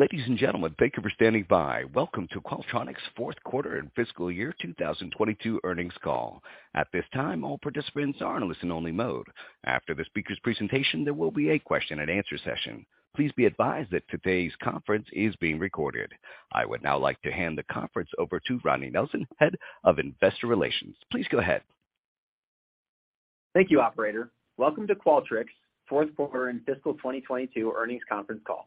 Ladies and gentlemen, thank you for standing by. Welcome to Qualtrics fourth quarter and fiscal year 2022 earnings call. At this time, all participants are in listen only mode. After the speaker's presentation, there will be a question and answer session. Please be advised that today's conference is being recorded. I would now like to hand the conference over to Rodney Nelson, Head of Investor Relations. Please go ahead. Thank you, operator. Welcome to Qualtrics fourth quarter and fiscal 2022 earnings conference call.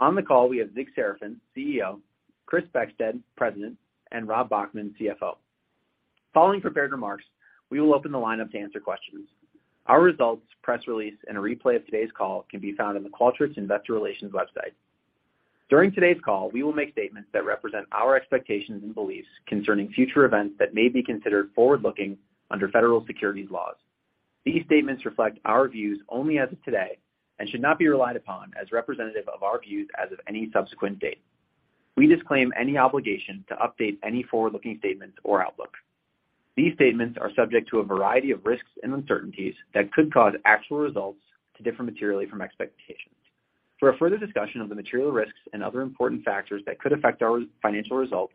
On the call, we have Zig Serafin, CEO, Chris Beckstead, President, and Rob Bachman, CFO. Following prepared remarks, we will open the line up to answer questions. Our results, press release, and a replay of today's call can be found on the Qualtrics Investor Relations website. During today's call, we will make statements that represent our expectations and beliefs concerning future events that may be considered forward-looking under federal securities laws. These statements reflect our views only as of today and should not be relied upon as representative of our views as of any subsequent date. We disclaim any obligation to update any forward-looking statements or outlook. These statements are subject to a variety of risks and uncertainties that could cause actual results to differ materially from expectations. For a further discussion of the material risks and other important factors that could affect our financial results,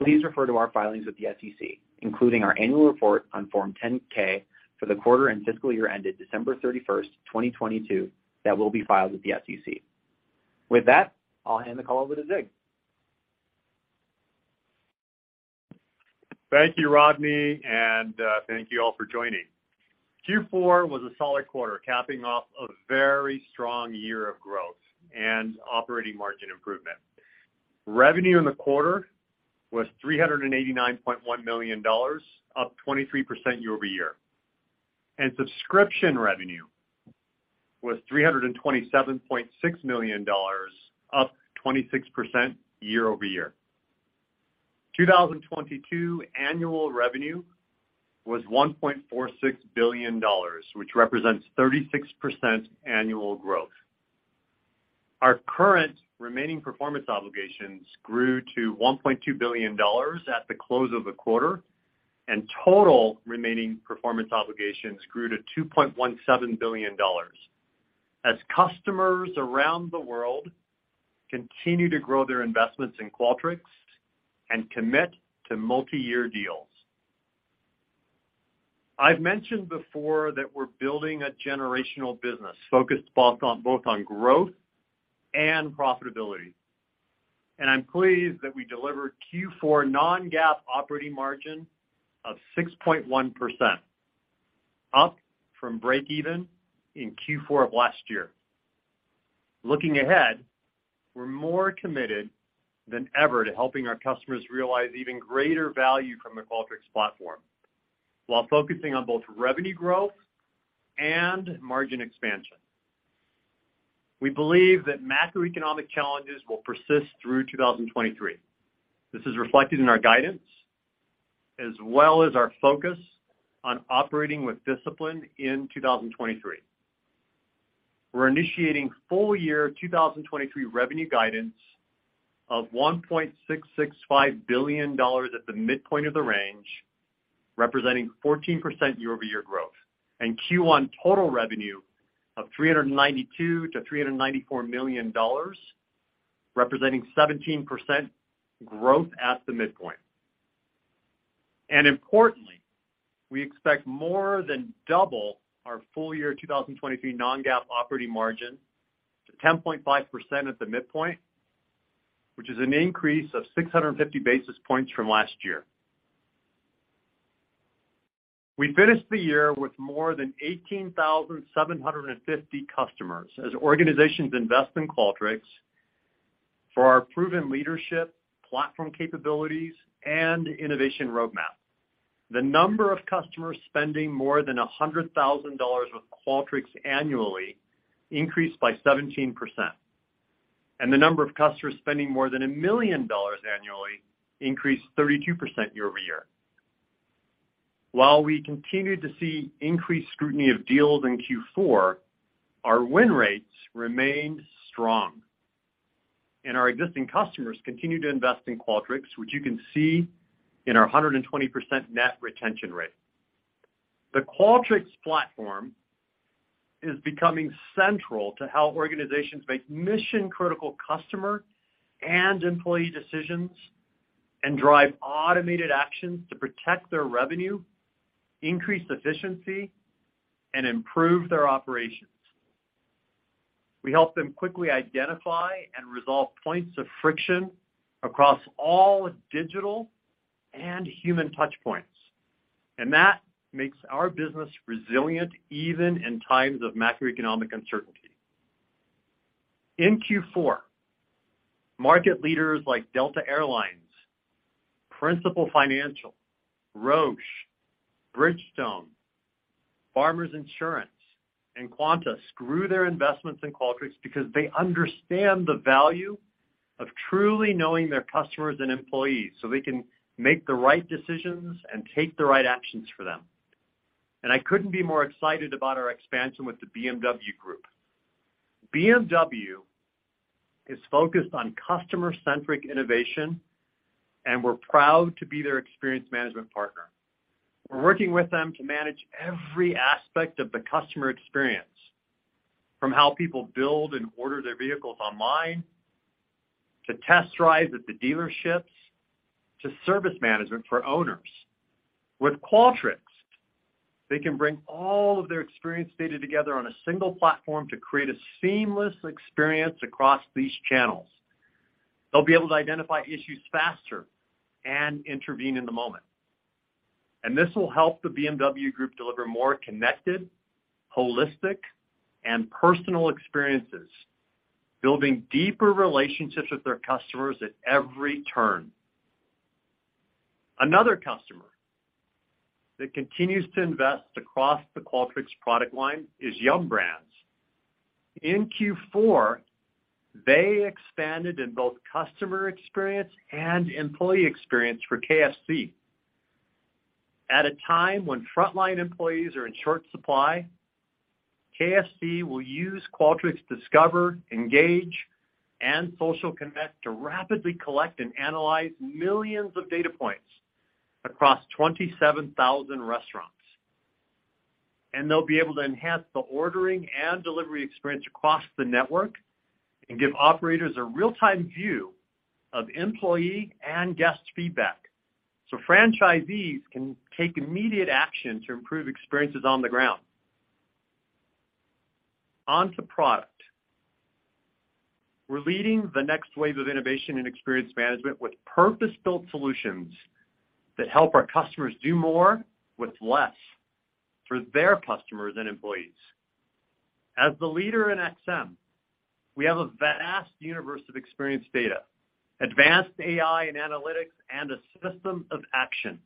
please refer to our filings with the SEC, including our annual report on Form 10-K for the quarter and fiscal year ended December 31st, 2022, that will be filed with the SEC. With that, I'll hand the call over to Zig. Thank you, Rodney, thank you all for joining. Q4 was a solid quarter, capping off a very strong year of growth and operating margin improvement. Revenue in the quarter was $389.1 million, up 23% year-over-year. Subscription revenue was $327.6 million, up 26% year-over-year. 2022 annual revenue was $1.46 billion, which represents 36% annual growth. Our current remaining performance obligations grew to $1.2 billion at the close of the quarter, and total remaining performance obligations grew to $2.17 billion as customers around the world continue to grow their investments in Qualtrics and commit to multi-year deals. I've mentioned before that we're building a generational business focused both on growth and profitability. I'm pleased that we delivered Q4 non-GAAP operating margin of 6.1%, up from break even in Q4 of last year. Looking ahead, we're more committed than ever to helping our customers realize even greater value from the Qualtrics platform, while focusing on both revenue growth and margin expansion. We believe that macroeconomic challenges will persist through 2023. This is reflected in our guidance as well as our focus on operating with discipline in 2023. We're initiating full year 2023 revenue guidance of $1.665 billion at the midpoint of the range, representing 14% year-over-year growth. Q1 total revenue of $392 million-$394 million, representing 17% growth at the midpoint. Importantly, we expect more than double our full year 2023 non-GAAP operating margin to 10.5% at the midpoint, which is an increase of 650 basis points from last year. We finished the year with more than 18,750 customers as organizations invest in Qualtrics for our proven leadership, platform capabilities, and innovation roadmap. The number of customers spending more than $100,000 with Qualtrics annually increased by 17%. The number of customers spending more than $1 million annually increased 32% year-over-year. While we continued to see increased scrutiny of deals in Q4, our win rates remained strong. Our existing customers continued to invest in Qualtrics, which you can see in our 120% net retention rate. The Qualtrics platform is becoming central to how organizations make mission-critical customer and employee decisions and drive automated actions to protect their revenue, increase efficiency, and improve their operations. That makes our business resilient even in times of macroeconomic uncertainty. In Q4, market leaders like Delta Air Lines, Principal Financial, Roche, Bridgestone, Farmers Insurance, and Qantas grew their investments in Qualtrics because they understand the value of truly knowing their customers and employees, so they can make the right decisions and take the right actions for them. I couldn't be more excited about our expansion with the BMW Group. BMW is focused on customer-centric innovation, and we're proud to be their Experience Management partner. We're working with them to manage every aspect of the customer experience, from how people build and order their vehicles online, to test drives at the dealerships, to service management for owners. With Qualtrics, they can bring all of their experience data together on a single platform to create a seamless experience across these channels. They'll be able to identify issues faster and intervene in the moment. This will help the BMW Group deliver more connected, holistic, and personal experiences, building deeper relationships with their customers at every turn. Another customer that continues to invest across the Qualtrics product line is Yum! Brands. In Q4, they expanded in both customer experience and employee experience for KFC. At a time when frontline employees are in short supply, KFC will use Qualtrics Discover, Engage, and Social Connect to rapidly collect and analyze millions of data points across 27,000 restaurants. They'll be able to enhance the ordering and delivery experience across the network and give operators a real-time view of employee and guest feedback, so franchisees can take immediate action to improve experiences on the ground. On to product. We're leading the next wave of innovation in Experience Management with purpose-built solutions that help our customers do more with less for their customers and employees. As the leader in XM, we have a vast universe of experience data, advanced AI and analytics, and a system of action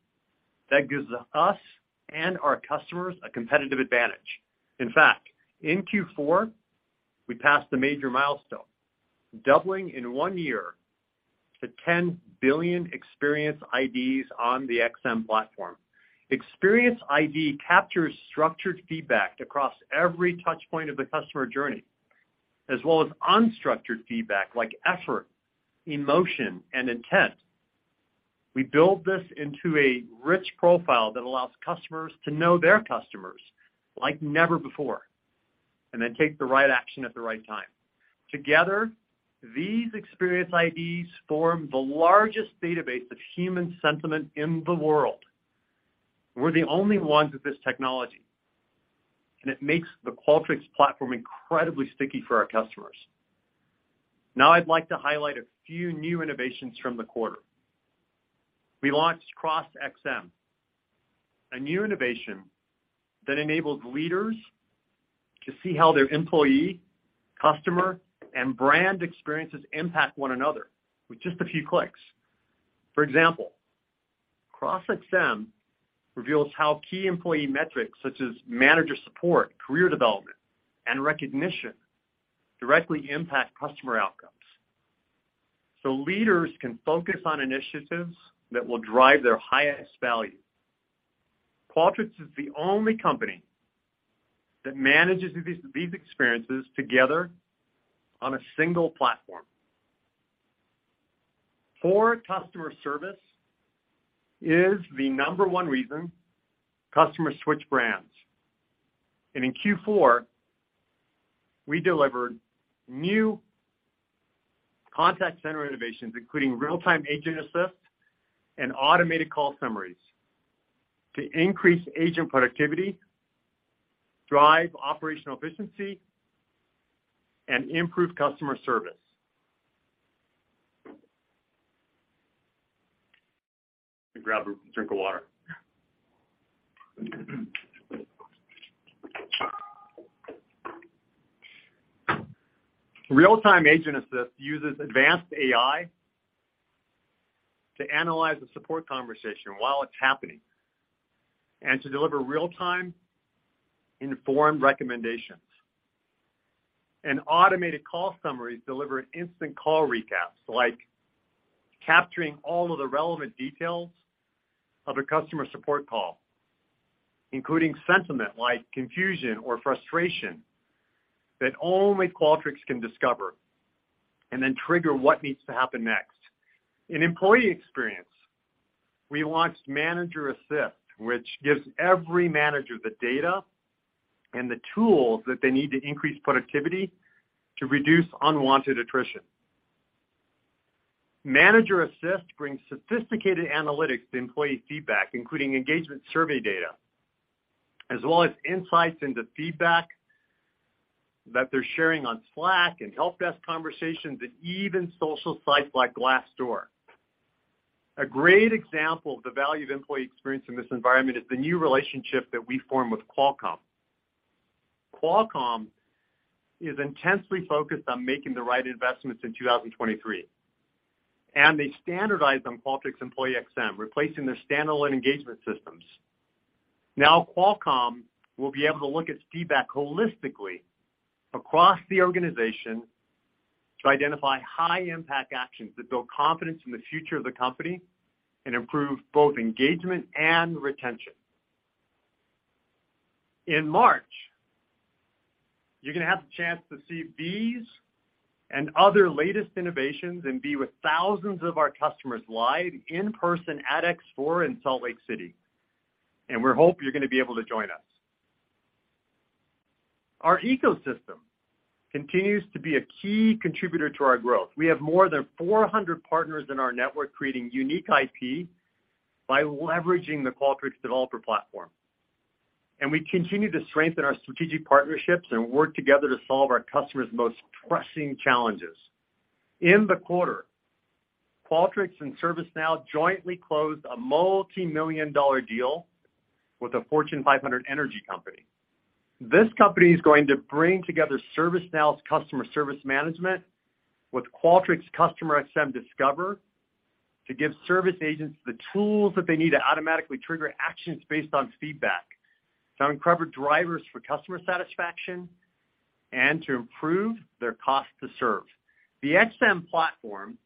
that gives us and our customers a competitive advantage. In fact, in Q4, we passed a major milestone, doubling in one year to 10 billion Experience IDs on the XM Platform. Experience ID captures structured feedback across every touch point of the customer journey, as well as unstructured feedback like effort, emotion, and intent. We build this into a rich profile that allows customers to know their customers like never before, and then take the right action at the right time. Together, these Experience IDs form the largest database of human sentiment in the world. We're the only ones with this technology, and it makes the Qualtrics Platform incredibly sticky for our customers. Now I'd like to highlight a few new innovations from the quarter. We launched CrossXM, a new innovation that enables leaders to see how their employee, customer, and brand experiences impact one another with just a few clicks. For example, CrossXM reveals how key employee metrics such as manager support, career development, and recognition directly impact customer outcomes. Leaders can focus on initiatives that will drive their highest value. Qualtrics is the only company that manages these experiences together on a single platform. Poor customer service is the number one reason customers switch brands. In Q4, we delivered new contact center innovations, including Real-Time Agent Assist and Automated Call Summaries to increase agent productivity, drive operational efficiency, and improve customer service. Let me grab a drink of water. Real-Time Agent Assist uses advanced AI to analyze the support conversation while it's happening and to deliver real-time informed recommendations. Automated Call Summaries deliver instant call recaps, like capturing all of the relevant details of a customer support call, including sentiment like confusion or frustration, that only Qualtrics can discover, and then trigger what needs to happen next. In employee experience, we launched Manager Assist, which gives every manager the data and the tools that they need to increase productivity to reduce unwanted attrition. Manager Assist brings sophisticated analytics to employee feedback, including engagement survey data, as well as insights into feedback that they're sharing on Slack and help desk conversations, and even social sites like Glassdoor. A great example of the value of employee experience in this environment is the new relationship that we formed with Qualcomm. Qualcomm is intensely focused on making the right investments in 2023, and they standardized on Qualtrics EmployeeXM, replacing their standalone engagement systems. Now Qualcomm will be able to look at feedback holistically across the organization to identify high-impact actions that build confidence in the future of the company and improve both engagement and retention. In March, you're gonna have the chance to see these and other latest innovations and be with thousands of our customers live in person at X4 in Salt Lake City. We hope you're gonna be able to join us. Our ecosystem continues to be a key contributor to our growth. We have more than 400 partners in our network creating unique IP by leveraging the Qualtrics developer platform. We continue to strengthen our strategic partnerships and work together to solve our customers' most pressing challenges. In the quarter, Qualtrics and ServiceNow jointly closed a multi-million dollar deal with a Fortune 500 energy company. This company is going to bring together ServiceNow's customer service management with Qualtrics CustomerXM Discover to give service agents the tools that they need to automatically trigger actions based on feedback, to uncover drivers for customer satisfaction, and to improve their cost to serve. The XM platform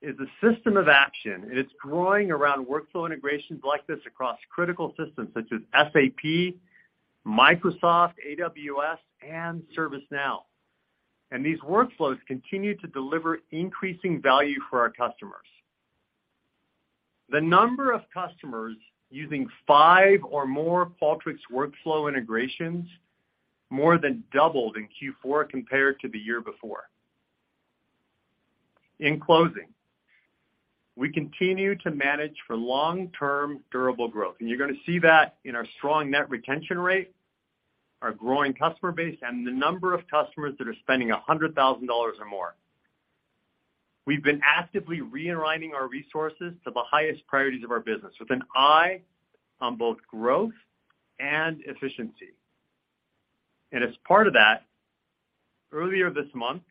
is a system of action, it's growing around workflow integrations like this across critical systems such as SAP, Microsoft, AWS, and ServiceNow. These workflows continue to deliver increasing value for our customers. The number of customers using 5 or more Qualtrics workflow integrations more than doubled in Q4 compared to the year before. In closing, we continue to manage for long-term durable growth, you're gonna see that in our strong net retention rate, our growing customer base, and the number of customers that are spending $100,000 or more. We've been actively realigning our resources to the highest priorities of our business, with an eye on both growth and efficiency. As part of that, earlier this month,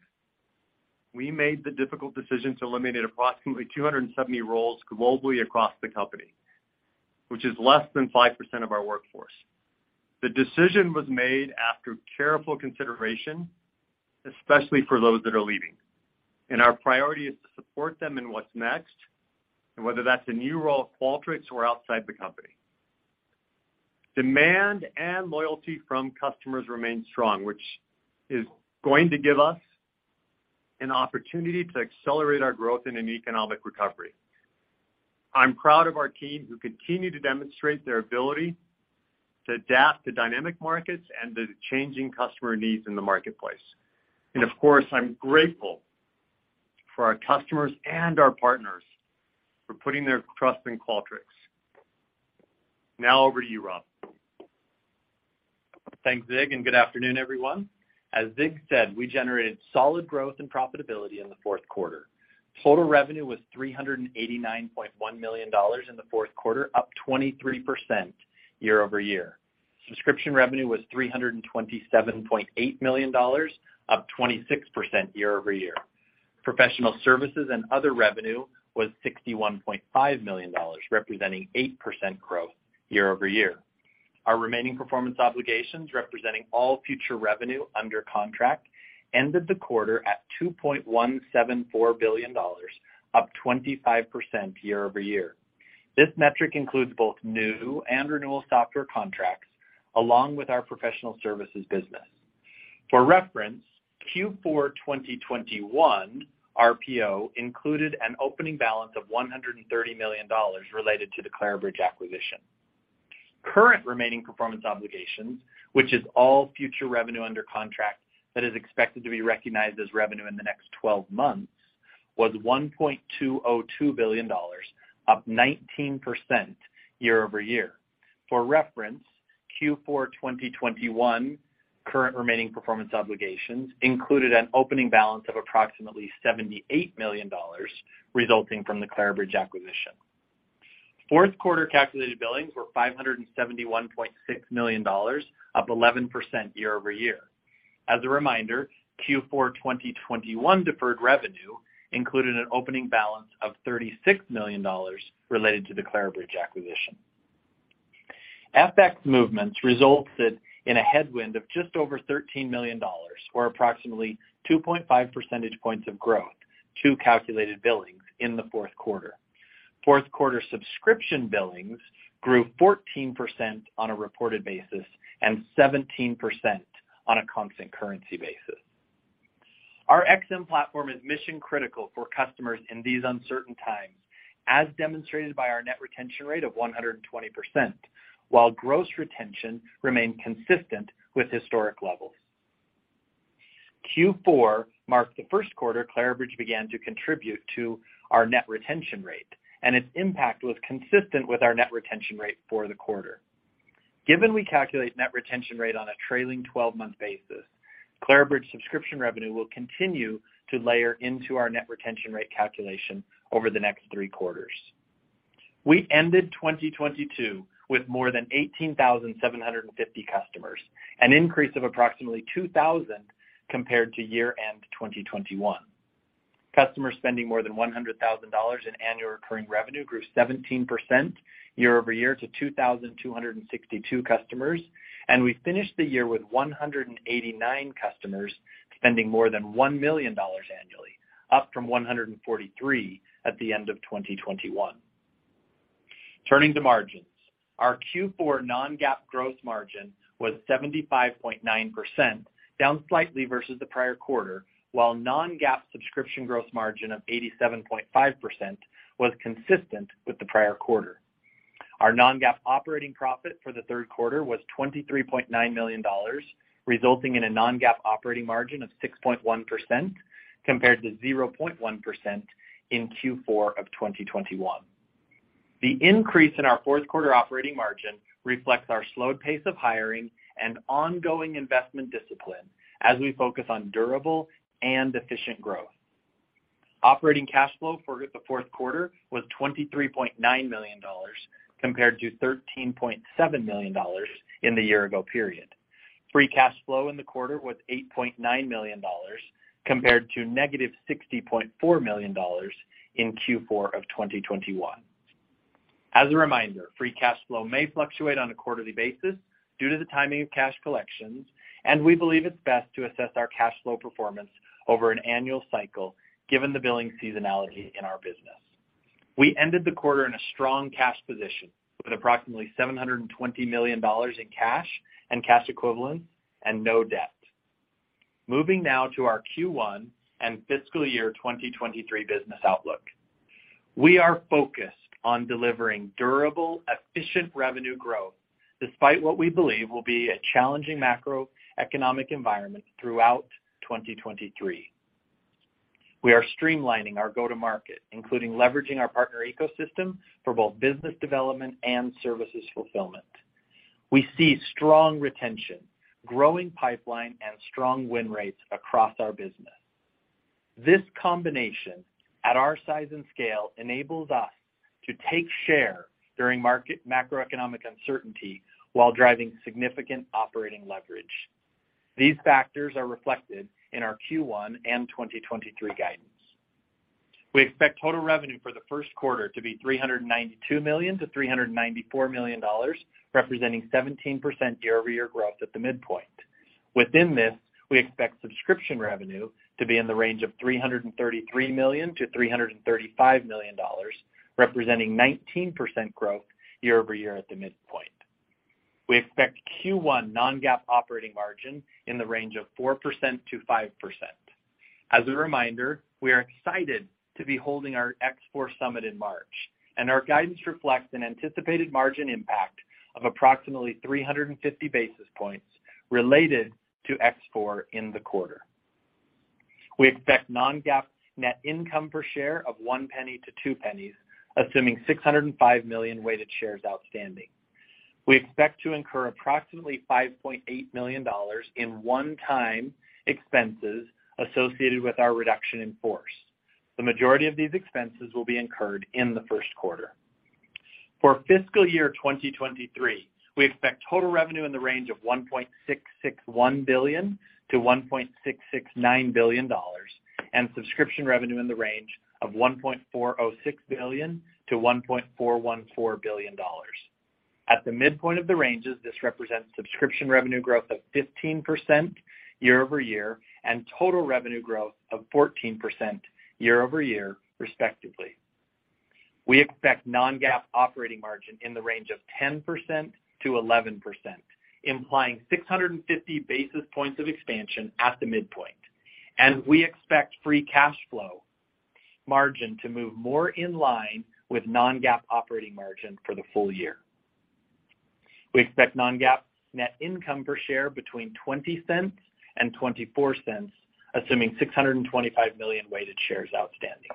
we made the difficult decision to eliminate approximately 270 roles globally across the company, which is less than 5% of our workforce. The decision was made after careful consideration, especially for those that are leaving. Our priority is to support them in what's next, and whether that's a new role at Qualtrics or outside the company. Demand and loyalty from customers remain strong, which is going to give us an opportunity to accelerate our growth in an economic recovery. I'm proud of our team who continue to demonstrate their ability to adapt to dynamic markets and the changing customer needs in the marketplace. Of course, I'm grateful for our customers and our partners for putting their trust in Qualtrics. Now over to you, Rob. Thanks, Zig. Good afternoon, everyone. As Zig said, we generated solid growth and profitability in the fourth quarter. Total revenue was $389.1 million in the fourth quarter, up 23% year-over-year. Subscription revenue was $327.8 million, up 26% year-over-year. Professional services and other revenue was $61.5 million, representing 8% growth year-over-year. Our remaining performance obligations, representing all future revenue under contract, ended the quarter at $2.174 billion, up 25% year-over-year. This metric includes both new and renewal software contracts, along with our professional services business. For reference, Q4 2021 RPO included an opening balance of $130 million related to the Clarabridge acquisition. Current remaining performance obligations, which is all future revenue under contract that is expected to be recognized as revenue in the next 12 months, was $1.202 billion, up 19% year-over-year. For reference, Q4 2021 current remaining performance obligations included an opening balance of approximately $78 million resulting from the Clarabridge acquisition. Fourth quarter calculated billings were $571.6 million, up 11% year-over-year. As a reminder, Q4 2021 deferred revenue included an opening balance of $36 million related to the Clarabridge acquisition. FX movements resulted in a headwind of just over $13 million, or approximately 2.5 percentage points of growth to calculated billings in the fourth quarter. Fourth quarter subscription billings grew 14% on a reported basis and 17% on a constant currency basis. Our XM Platform is mission-critical for customers in these uncertain times, as demonstrated by our net retention rate of 120%, while gross retention remained consistent with historic levels. Q4 marked the first quarter Clarabridge began to contribute to our net retention rate, and its impact was consistent with our net retention rate for the quarter. Given we calculate net retention rate on a trailing 12-month basis, Clarabridge subscription revenue will continue to layer into our net retention rate calculation over the next 3 quarters. We ended 2022 with more than 18,750 customers, an increase of approximately 2,000 compared to year-end 2021. Customers spending more than $100,000 in annual recurring revenue grew 17% year-over-year to 2,262 customers. We finished the year with 189 customers spending more than $1 million annually. Up from 143 at the end of 2021. Turning to margins. Our Q4 non-GAAP gross margin was 75.9%, down slightly versus the prior quarter, while non-GAAP subscription gross margin of 87.5% was consistent with the prior quarter. Our non-GAAP operating profit for the third quarter was $23.9 million, resulting in a non-GAAP operating margin of 6.1% compared to 0.1% in Q4 of 2021. The increase in our fourth quarter operating margin reflects our slowed pace of hiring and ongoing investment discipline as we focus on durable and efficient growth. Operating cash flow for the fourth quarter was $23.9 million compared to $13.7 million in the year ago period. Free cash flow in the quarter was $8.9 million compared to negative $60.4 million in Q4 of 2021. As a reminder, free cash flow may fluctuate on a quarterly basis due to the timing of cash collections. We believe it's best to assess our cash flow performance over an annual cycle given the billing seasonality in our business. We ended the quarter in a strong cash position with approximately $720 million in cash and cash equivalents and no debt. Moving now to our Q1 and fiscal year 2023 business outlook. We are focused on delivering durable, efficient revenue growth despite what we believe will be a challenging macroeconomic environment throughout 2023. We are streamlining our go-to-market, including leveraging our partner ecosystem for both business development and services fulfillment. We see strong retention, growing pipeline, and strong win rates across our business. This combination at our size and scale enables us to take share during macroeconomic uncertainty while driving significant operating leverage. These factors are reflected in our Q1 and 2023 guidance. We expect total revenue for the first quarter to be $392-$394 million, representing 17% year-over-year growth at the midpoint. Within this, we expect subscription revenue to be in the range of $333-$335 million, representing 19% year-over-year growth at the midpoint. We expect Q1 non-GAAP operating margin in the range of 4%-5%. As a reminder, we are excited to be holding our X4 Summit in March, and our guidance reflects an anticipated margin impact of approximately 350 basis points related to X4 in the quarter. We expect non-GAAP net income per share of $0.01-$0.02, assuming 605 million weighted shares outstanding. We expect to incur approximately $5.8 million in one-time expenses associated with our reduction in force. The majority of these expenses will be incurred in the first quarter. For fiscal year 2023, we expect total revenue in the range of $1.661-$1.669 billion, and subscription revenue in the range of $1.46-$1.414 billion. At the midpoint of the ranges, this represents subscription revenue growth of 15% year-over-year and total revenue growth of 14% year-over-year, respectively. We expect non-GAAP operating margin in the range of 10%-11%, implying 650 basis points of expansion at the midpoint. We expect free cash flow margin to move more in line with non-GAAP operating margin for the full year. We expect non-GAAP net income per share between $0.20-$0.24, assuming 625 million weighted shares outstanding.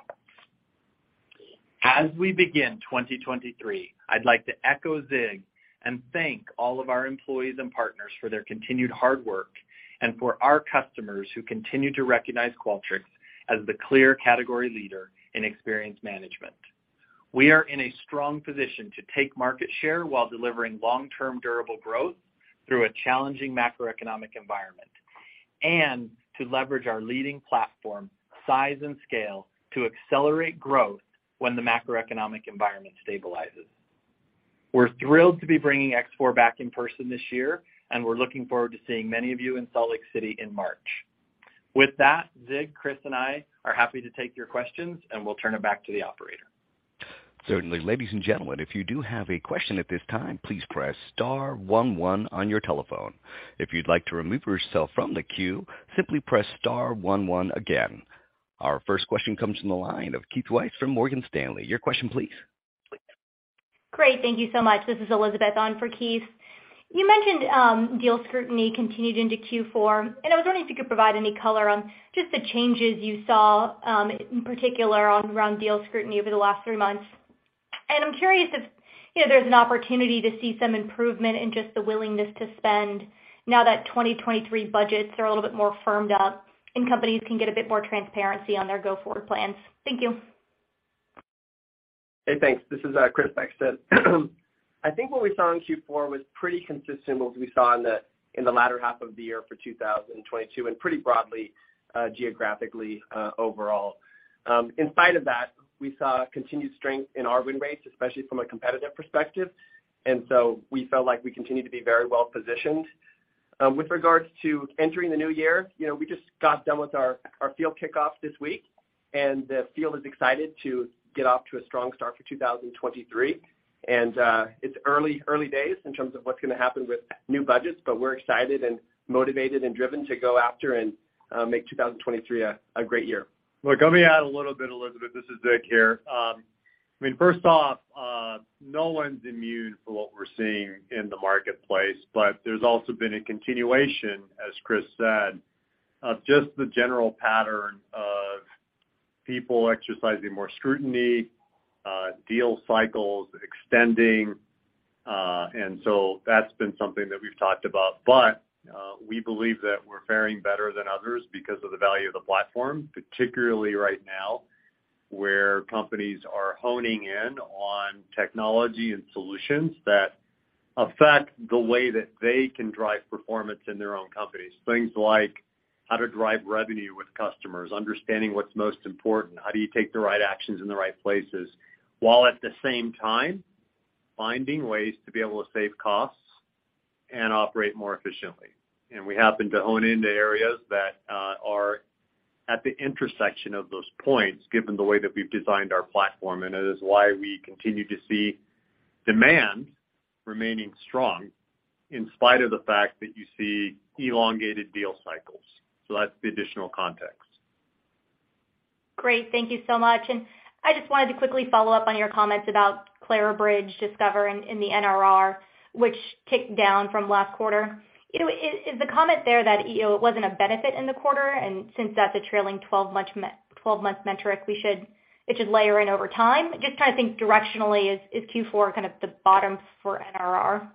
As we begin 2023, I'd like to echo Zig and thank all of our employees and partners for their continued hard work, and for our customers who continue to recognize Qualtrics as the clear category leader in Experience Management. We are in a strong position to take market share while delivering long-term durable growth through a challenging macroeconomic environment, and to leverage our leading platform size and scale to accelerate growth when the macroeconomic environment stabilizes. We're thrilled to be bringing X4 back in person this year, and we're looking forward to seeing many of you in Salt Lake City in March. With that, Zig, Chris and I are happy to take your questions, and we'll turn it back to the operator. Certainly. Ladies and gentlemen, if you do have a question at this time, please press star one one on your telephone. If you'd like to remove yourself from the queue, simply press star one one again. Our first question comes from the line of Keith Weiss from Morgan Stanley. Your question please. Great. Thank you so much. This is Elizabeth on for Keith. You mentioned, deal scrutiny continued into Q4. I was wondering if you could provide any color on just the changes you saw, in particular around deal scrutiny over the last three months. I'm curious if, you know, there's an opportunity to see some improvement in just the willingness to spend now that 2023 budgets are a little bit more firmed up and companies can get a bit more transparency on their go-forward plans. Thank you. Hey, thanks. This is Chris Beckstead. I think what we saw in Q4 was pretty consistent with what we saw in the latter half of the year for 2022, and pretty broadly, geographically, overall. In spite of that, we saw continued strength in our win rates, especially from a competitive perspective, and so we felt like we continued to be very well positioned. With regards to entering the new year, you know, we just got done with our field kickoff this week, and the field is excited to get off to a strong start for 2023. It's early days in terms of what's gonna happen with new budgets, but we're excited and motivated and driven to go after and make 2023 a great year. Look, let me add a little bit, Elizabeth. This is Zig here. I mean, first off, no one's immune from what we're seeing in the marketplace, but there's also been a continuation, as Chris said, of just the general pattern of people exercising more scrutiny, deal cycles extending, and so that's been something that we've talked about. We believe that we're faring better than others because of the value of the platform, particularly right now, where companies are honing in on technology and solutions that affect the way that they can drive performance in their own companies. Things like how to drive revenue with customers, understanding what's most important, how do you take the right actions in the right places, while at the same time, finding ways to be able to save costs and operate more efficiently. We happen to hone into areas that are at the intersection of those points, given the way that we've designed our platform. It is why we continue to see demand remaining strong in spite of the fact that you see elongated deal cycles. That's the additional context. Great. Thank you so much. I just wanted to quickly follow up on your comments about Clarabridge Discover in the NRR, which ticked down from last quarter. You know, is the comment there that, you know, it wasn't a benefit in the quarter, and since that's a trailing 12-month metric, it should layer in over time? Just trying to think directionally, is Q4 kind of the bottom for NRR?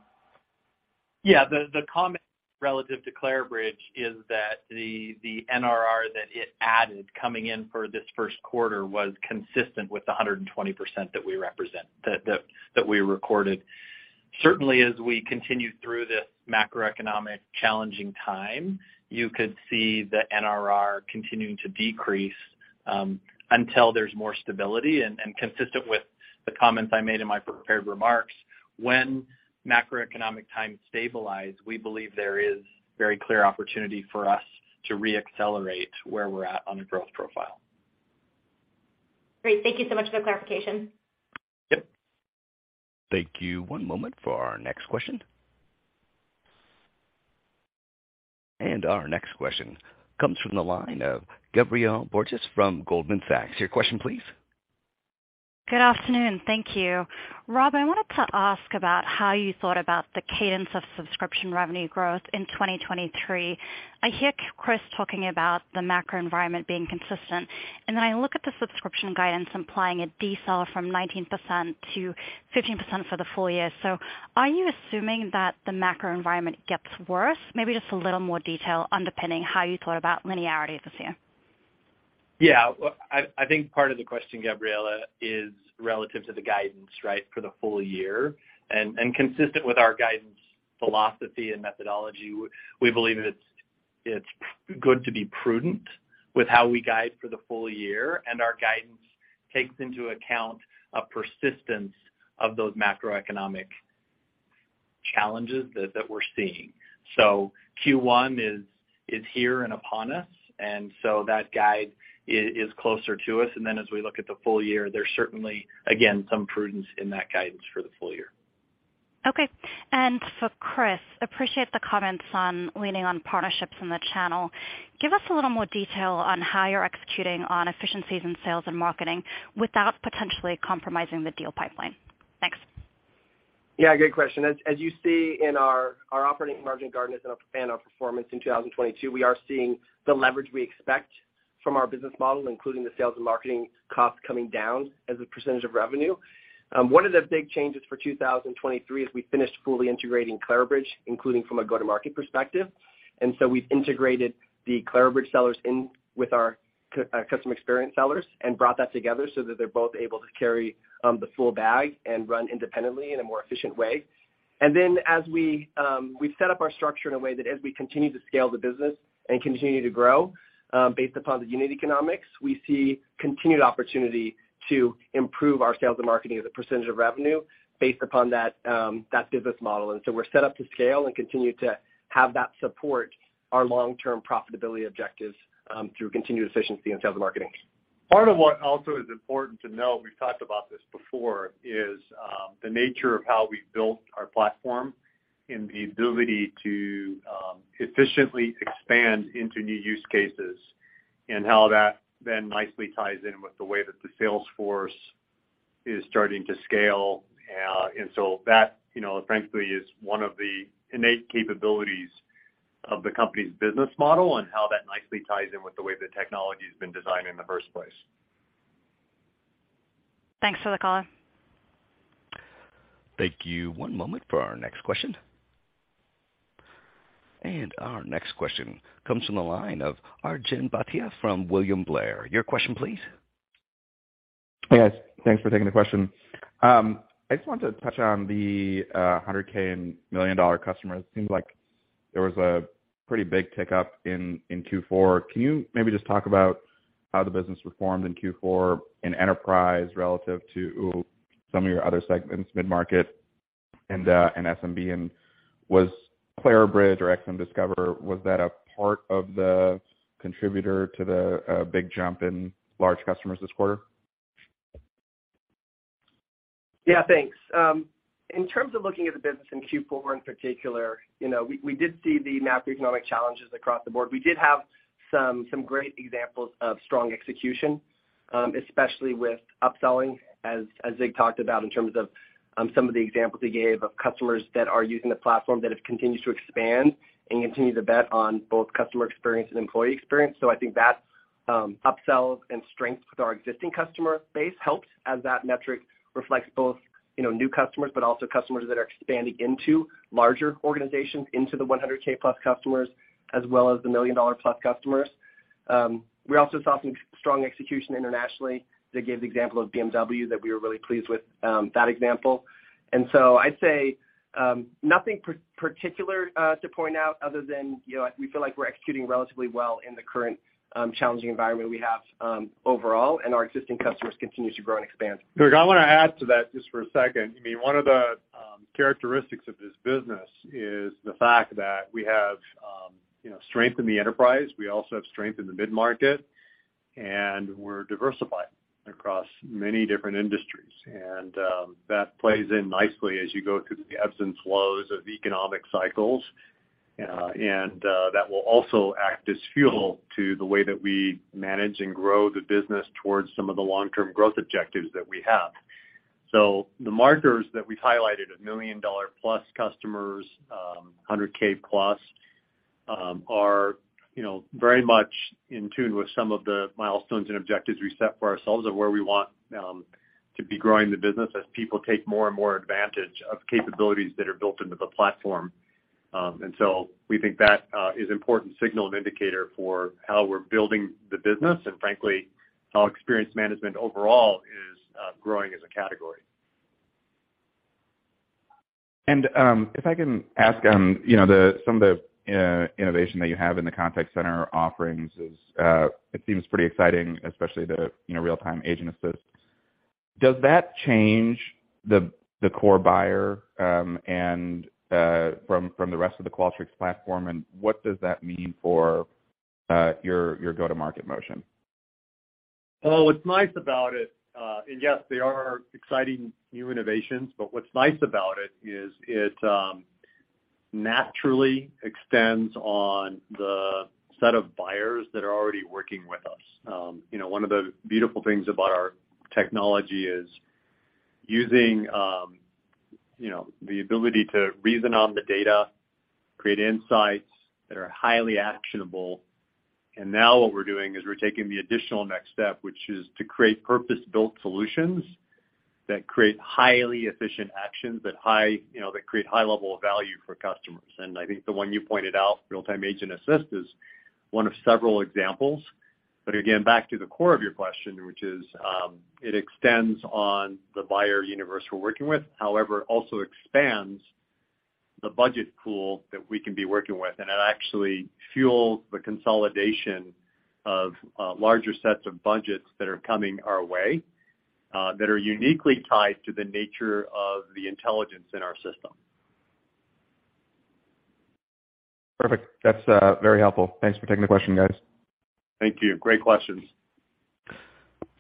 The comment relative to Clarabridge is that the NRR that it added coming in for this first quarter was consistent with the 120% that we recorded. Certainly, as we continue through this macroeconomic challenging time, you could see the NRR continuing to decrease until there's more stability. Consistent with the comments I made in my prepared remarks, when macroeconomic times stabilize, we believe there is very clear opportunity for us to re-accelerate where we're at on the growth profile. Great. Thank you so much for the clarification. Yep. Thank you. One moment for our next question. Our next question comes from the line of Gabriela Borges from Goldman Sachs. Your question please. Good afternoon. Thank you. Rob, I wanted to ask about how you thought about the cadence of subscription revenue growth in 2023. I hear Chris talking about the macro environment being consistent, and then I look at the subscription guidance implying a decel from 19% to 15% for the full year. Are you assuming that the macro environment gets worse? Maybe just a little more detail underpinning how you thought about linearity this year. Yeah. Well, I think part of the question, Gabriela, is relative to the guidance, right, for the full year. Consistent with our guidance philosophy and methodology, we believe it's good to be prudent with how we guide for the full year, and our guidance takes into account a persistence of those macroeconomic challenges that we're seeing. Q1 is here and upon us, that guide is closer to us. As we look at the full year, there's certainly, again, some prudence in that guidance for the full year. Okay. For Chris, appreciate the comments on leaning on partnerships in the channel. Give us a little more detail on how you're executing on efficiencies in sales and marketing without potentially compromising the deal pipeline. Thanks. Yeah, great question. As you see in our operating margin guidance and our performance in 2022, we are seeing the leverage we expect from our business model, including the sales and marketing costs coming down as a percent of revenue. One of the big changes for 2023 is we finished fully integrating Clarabridge, including from a go-to-market perspective. We've integrated the Clarabridge sellers in with our customer experience sellers and brought that together so that they're both able to carry the full bag and run independently in a more efficient way. As we... We've set up our structure in a way that as we continue to scale the business and continue to grow, based upon the unit economics, we see continued opportunity to improve our sales and marketing as a percentage of revenue based upon that business model. We're set up to scale and continue to have that support our long-term profitability objectives, through continued efficiency in sales and marketing. Part of what also is important to know, we've talked about this before, is, the nature of how we've built our platform and the ability to efficiently expand into new use cases and how that then nicely ties in with the way that the sales force is starting to scale. That, you know, frankly, is one of the innate capabilities of the company's business model and how that nicely ties in with the way the technology has been designed in the first place. Thanks for the color. Thank you. One moment for our next question. Our next question comes from the line of Arjun Bhatia from William Blair. Your question please. Hey, guys. Thanks for taking the question. I just want to touch on the $100K and $1 million customers. It seems like there was a pretty big tick up in Q4. Can you maybe just talk about how the business performed in Q4 in enterprise relative to some of your other segments, mid-market and SMB. Was Clarabridge or XM Discover, that a part of the big jump in large customers this quarter? Yeah, thanks. In terms of looking at the business in Q4 in particular, we did see the macroeconomic challenges across the board. We did have some great examples of strong execution, especially with upselling, as Zig talked about in terms of some of the examples he gave of customers that are using the platform that have continued to expand and continue to bet on both customer experience and employee experience. I think that upsells and strengths with our existing customer base helps as that metric reflects both new customers, but also customers that are expanding into larger organizations, into the 100K+ customers, as well as the $1 million+ customers. We also saw some strong execution internationally. Zig gave the example of BMW that we were really pleased with that example. I'd say, nothing particular to point out other than, you know, we feel like we're executing relatively well in the current challenging environment we have, overall, and our existing customers continue to grow and expand. Arjun, I wanna add to that just for a second. I mean, one of the characteristics of this business is the fact that we have, you know, strength in the enterprise, we also have strength in the mid-market, and we're diversified across many different industries. That plays in nicely as you go through the ebbs and flows of economic cycles, and that will also act as fuel to the way that we manage and grow the business towards some of the long-term growth objectives that we have. The markers that we've highlighted, $1 million-plus customers, 100K plus, are, you know, very much in tune with some of the milestones and objectives we set for ourselves of where we want to be growing the business as people take more and more advantage of capabilities that are built into the platform. We think that is important signal and indicator for how we're building the business and frankly, how Experience Management overall is growing as a category. If I can ask, you know, some of the innovation that you have in the contact center offerings is, it seems pretty exciting, especially the, you know, Real-Time Agent Assist. Does that change the core buyer, and from the rest of the Qualtrics platform, and what does that mean for your go-to-market motion? Well, what's nice about it, yes, they are exciting new innovations, but what's nice about it is it naturally extends on the set of buyers that are already working with us. You know, one of the beautiful things about our technology is using, you know, the ability to reason on the data, create insights that are highly actionable. Now what we're doing is we're taking the additional next step, which is to create purpose-built solutions that create highly efficient actions, that create high level of value for customers. I think the one you pointed out, Real-Time Agent Assist, is one of several examples. Again, back to the core of your question, which is, it extends on the buyer universe we're working with, however, it also expands the budget pool that we can be working with. it actually fuels the consolidation of larger sets of budgets that are coming our way, that are uniquely tied to the nature of the intelligence in our system. Perfect. That's, very helpful. Thanks for taking the question, guys. Thank you. Great questions.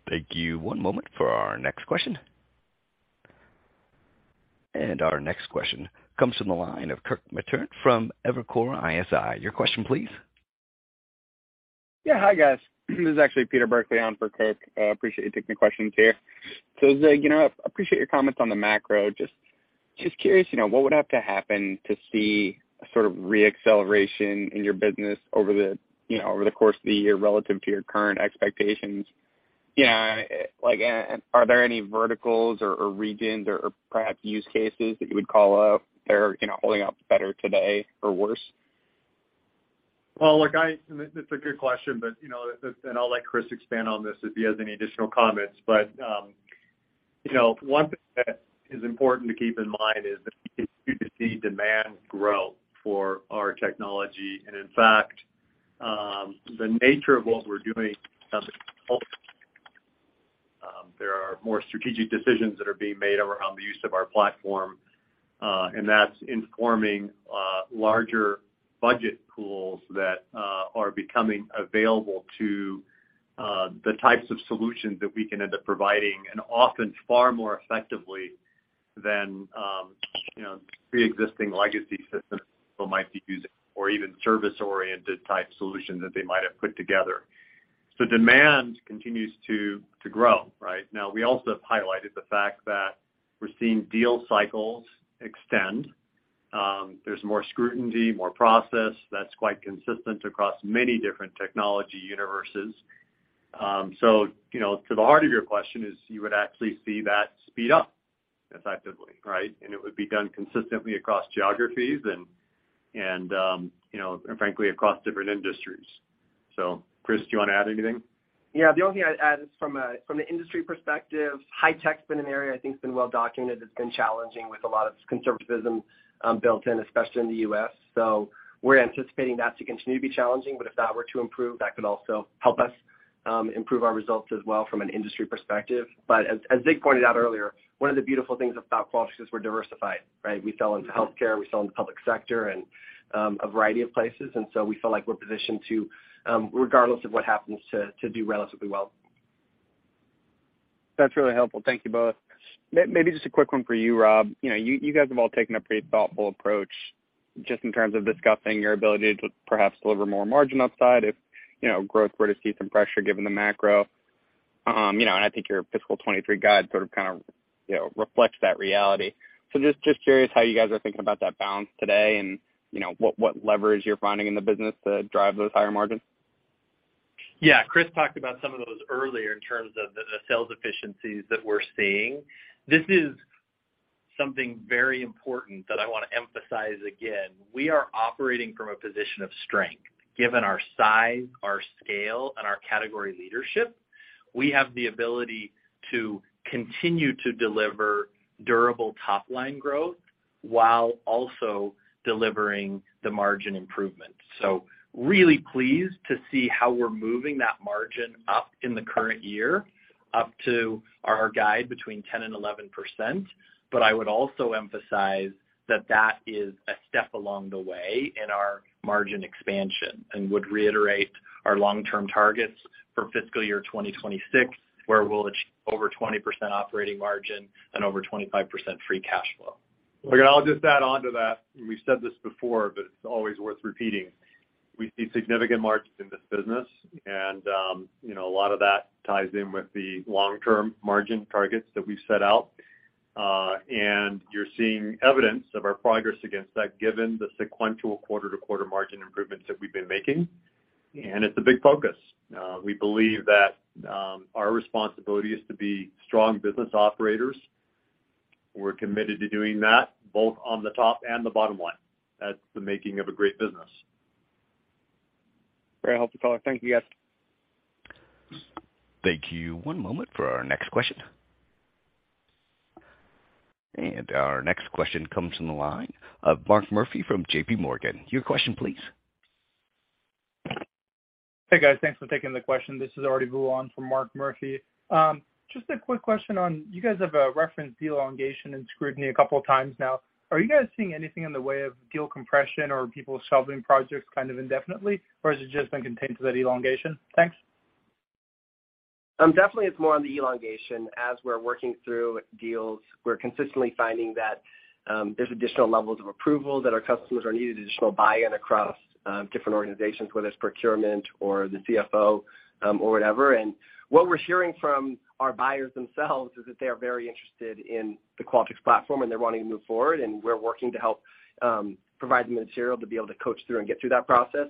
Thank you. One moment for our next question. Our next question comes from the line of Kirk Materne from Evercore ISI. Your question, please. Yeah. Hi, guys. This is actually Peter Burkly on for Kirk. appreciate you taking the questions here. Zig, you know, appreciate your comments on the macro. Just curious, you know, what would have to happen to see a sort of re-acceleration in your business over the, you know, over the course of the year relative to your current expectations? You know, like, are there any verticals or regions or perhaps use cases that you would call out that are, you know, holding up better today or worse? Well, look, it's a good question, but, you know, and I'll let Chris expand on this if he has any additional comments. You know, one thing that is important to keep in mind is that you continue to see demand grow for our technology. In fact, the nature of what we're doing, Yeah, the only thing I'd add is from an industry perspective, high tech's been an area I think it's been well documented. It's been challenging with a lot of conservatism built in, especially in the U.S. We're anticipating that to continue to be challenging, but if that were to improve, that could also help us. Improve our results as well from an industry perspective. As Zig pointed out earlier, one of the beautiful things about Qualtrics is we're diversified, right? We sell into healthcare, we sell in the public sector and a variety of places. We feel like we're positioned to, regardless of what happens, to do relatively well. That's really helpful. Thank you both. Maybe just a quick one for you, Rob. You know, you guys have all taken a pretty thoughtful approach just in terms of discussing your ability to perhaps deliver more margin upside if, you know, growth were to see some pressure given the macro. You know, I think your fiscal 23 guide sort of, kind of, you know, reflects that reality. Just curious how you guys are thinking about that balance today and, you know, what leverage you're finding in the business to drive those higher margins. Chris talked about some of those earlier in terms of the sales efficiencies that we're seeing. This is something very important that I wanna emphasize again. We are operating from a position of strength. Given our size, our scale, and our category leadership, we have the ability to continue to deliver durable top line growth while also delivering the margin improvements. Really pleased to see how we're moving that margin up in the current year, up to our guide between 10% and 11%. I would also emphasize that that is a step along the way in our margin expansion and would reiterate our long-term targets for fiscal year 2026, where we'll achieve over 20% operating margin and over 25% free cash flow. Look, and I'll just add on to that, and we've said this before, but it's always worth repeating. We see significant margins in this business and, you know, a lot of that ties in with the long-term margin targets that we've set out. You're seeing evidence of our progress against that given the sequential quarter-to-quarter margin improvements that we've been making. It's a big focus. We believe that our responsibility is to be strong business operators. We're committed to doing that both on the top and the bottom line. That's the making of a great business. Very helpful color. Thank you, guys. Thank you. One moment for our next question. Our next question comes from the line of Mark Murphy from JPMorgan. Your question please. Hey, guys. Thanks for taking the question. This is Arti Vula for Mark Murphy. Just a quick question on you guys have referenced elongation and scrutiny a couple of times now. Are you guys seeing anything in the way of deal compression or people shelving projects kind of indefinitely? Has it just been contained to that elongation? Thanks. Definitely it's more on the elongation. As we're working through deals, we're consistently finding that there's additional levels of approval that our customers are needing, additional buy-in across different organizations, whether it's procurement or the CFO, or whatever. What we're hearing from our buyers themselves is that they are very interested in the Qualtrics platform, and they're wanting to move forward, and we're working to help provide them the material to be able to coach through and get through that process.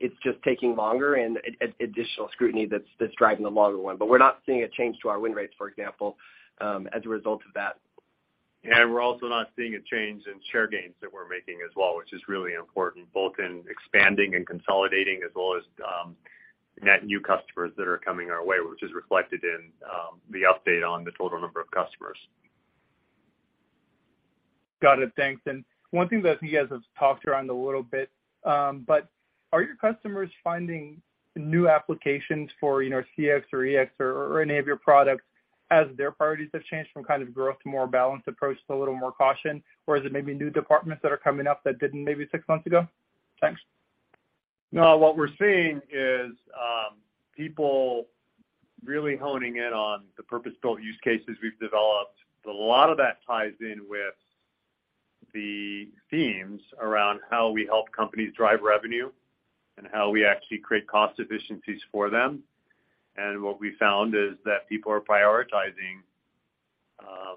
It's just taking longer and additional scrutiny that's driving the longer one. We're not seeing a change to our win rates, for example, as a result of that. We're also not seeing a change in share gains that we're making as well, which is really important both in expanding and consolidating as well as, net new customers that are coming our way, which is reflected in the update on the total number of customers. Got it. Thanks. One thing that you guys have talked around a little bit, but are your customers finding new applications for, you know, CX or EX or any of your products as their priorities have changed from kind of growth to more balanced approach to a little more caution? Or is it maybe new departments that are coming up that didn't maybe six months ago? Thanks. What we're seeing is, people really honing in on the purpose-built use cases we've developed. A lot of that ties in with the themes around how we help companies drive revenue and how we actually create cost efficiencies for them. What we found is that people are prioritizing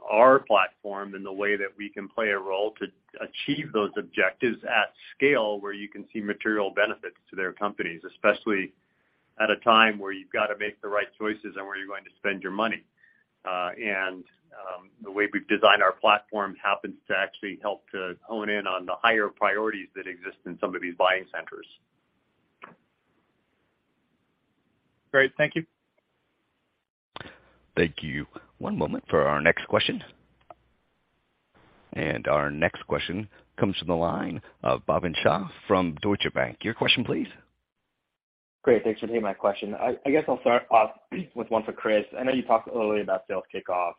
our platform and the way that we can play a role to achieve those objectives at scale, where you can see material benefits to their companies, especially at a time where you've got to make the right choices on where you're going to spend your money. The way we've designed our platform happens to actually help to hone in on the higher priorities that exist in some of these buying centers. Great. Thank you. Thank you. One moment for our next question. Our next question comes from the line of Bhavin Shah from Deutsche Bank. Your question please. Great. Thanks for taking my question. I guess I'll start off with one for Chris. I know you talked earlier about sales kickoff.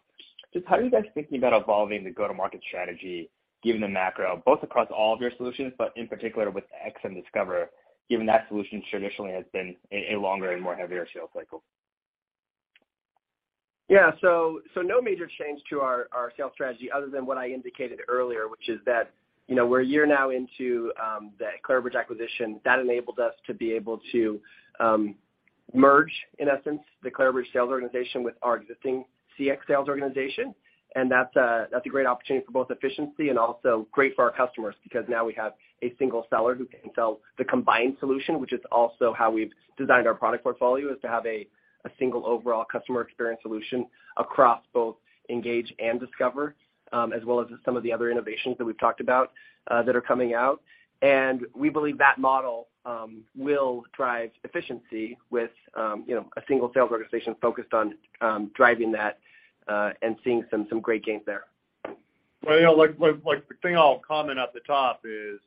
Just how are you guys thinking about evolving the go-to-market strategy given the macro, both across all of your solutions, but in particular with XM Discover, given that solution traditionally has been a longer and more heavier sales cycle? Yeah. no major change to our sales strategy other than what I indicated earlier, which is that, you know, we're a year now into the Clarabridge acquisition. That enabled us to be able to merge, in essence, the Clarabridge sales organization with our existing CX sales organization. That's a great opportunity for both efficiency and also great for our customers, because now we have a single seller who can sell the combined solution, which is also how we've designed our product portfolio, is to have a single overall customer experience solution across both Engage and Discover, as well as some of the other innovations that we've talked about that are coming out. We believe that model will drive efficiency with, you know, a single sales organization focused on driving that and seeing some great gains there. Well, you know, like the thing I'll comment at the top is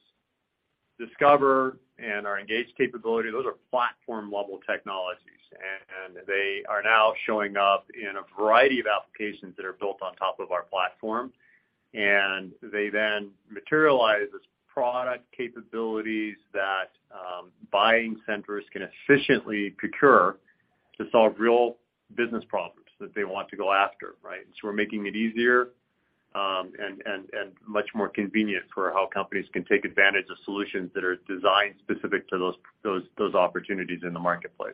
Discover and our Engage capability, those are platform-level technologies. They then materialize as product capabilities that buying centers can efficiently procure to solve real business problems that they want to go after, right? We're making it easier and much more convenient for how companies can take advantage of solutions that are designed specific to those opportunities in the marketplace.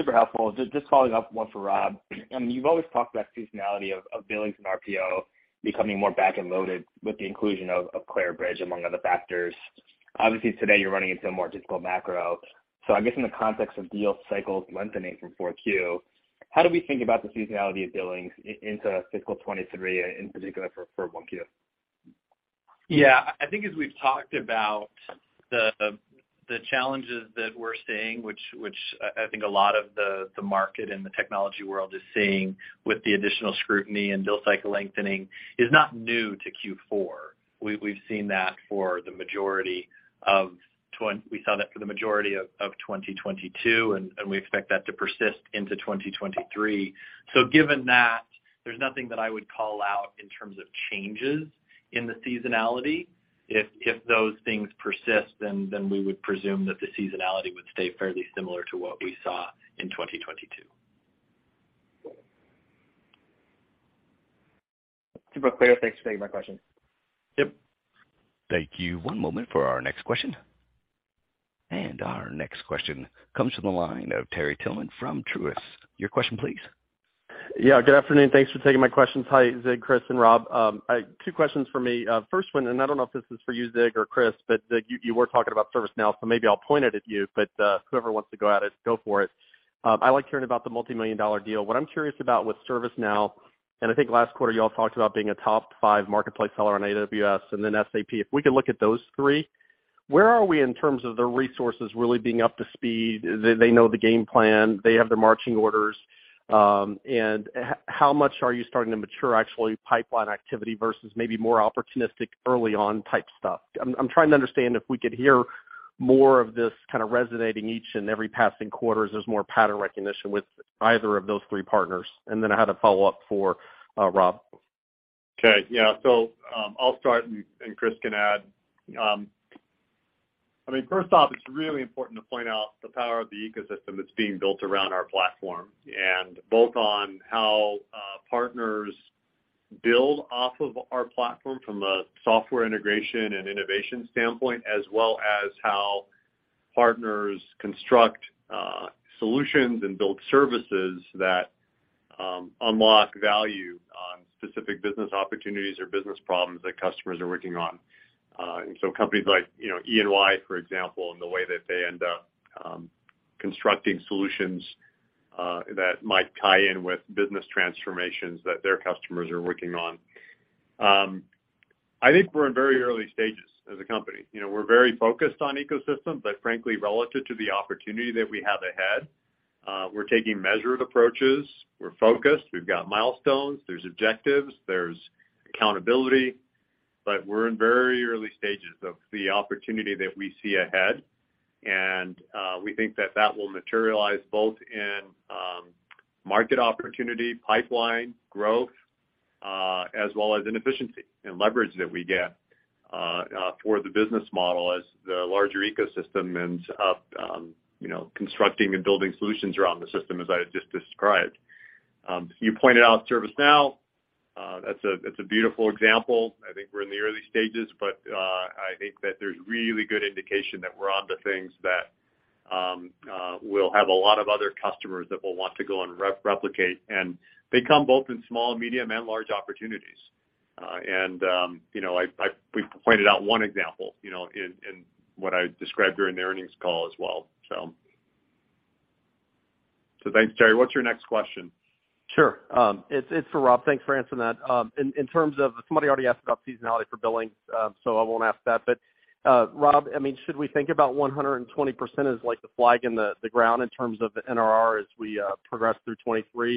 Super helpful. Just following up, one for Rob. I mean, you've always talked about seasonality of billings and RPO becoming more back-end loaded with the inclusion of Clarabridge, among other factors. Obviously, today, you're running into a more difficult macro. I guess in the context of deal cycles lengthening from 4Q, how do we think about the seasonality of billings into fiscal 2023, in particular for 1Q? Yeah. I think as we've talked about the challenges that we're seeing, which I think a lot of the market and the technology world is seeing with the additional scrutiny and deal cycle lengthening is not new to Q4. We saw that for the majority of 2022, and we expect that to persist into 2023. Given that, there's nothing that I would call out in terms of changes in the seasonality. If those things persist, then we would presume that the seasonality would stay fairly similar to what we saw in 2022. Super clear. Thanks for taking my question. Yep. Thank you. One moment for our next question. Our next question comes from the line of Terry Tillman from Truist. Your question, please. Yeah, good afternoon. Thanks for taking my questions. Hi, Zig, Chris, and Rob. Two questions for me. First one, I don't know if this is for you, Zig or Chris, but Zig, you were talking about ServiceNow, so maybe I'll point it at you. Whoever wants to go at it, go for it. I like hearing about the multimillion-dollar deal. What I'm curious about with ServiceNow, and I think last quarter y'all talked about being a top five marketplace seller on AWS and then SAP. If we could look at those three, where are we in terms of the resources really being up to speed, they know the game plan, they have their marching orders? How much are you starting to mature actually pipeline activity versus maybe more opportunistic early on type stuff? I'm trying to understand if we could hear more of this kind of resonating each and every passing quarter as there's more pattern recognition with either of those three partners. I had a follow-up for Rob. Okay. Yeah. I'll start and Chris can add. I mean first off, it's really important to point out the power of the ecosystem that's being built around our platform, and both on how partners build off of our platform from a software integration and innovation standpoint, as well as how partners construct solutions and build services that unlock value on specific business opportunities or business problems that customers are working on. Companies like, you know, EY, for example, and the way that they end up constructing solutions that might tie in with business transformations that their customers are working on. I think we're in very early stages as a company. You know, we're very focused on ecosystem, but frankly, relative to the opportunity that we have ahead, we're taking measured approaches. We're focused. We've got milestones. There's objectives. There's accountability. We're in very early stages of the opportunity that we see ahead. We think that that will materialize both in market opportunity, pipeline growth, as well as in efficiency and leverage that we get for the business model as the larger ecosystem ends up, you know, constructing and building solutions around the system as I just described. You pointed out ServiceNow. That's a beautiful example. I think we're in the early stages, I think that there's really good indication that we're onto things that will have a lot of other customers that will want to go and replicate. They come both in small, medium, and large opportunities. You know, I... We've pointed out one example, you know, in what I described during the earnings call as well. Thanks, Terry. What's your next question? Sure. It's for Rob. Thanks for answering that. In terms of... Somebody already asked about seasonality for billings, so I won't ask that. Rob, I mean, should we think about 120% as like the flag in the ground in terms of the NRR as we progress through 2023?